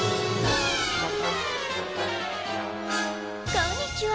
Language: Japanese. こんにちは。